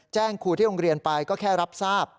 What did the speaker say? ครูที่โรงเรียนไปก็แค่รับทราบ